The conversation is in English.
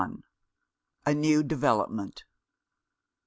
A NEW DEVELOPMENT.